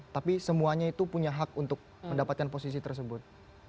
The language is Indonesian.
tapi semuanya itu punya hak untuk mendapatkan posisi tersebut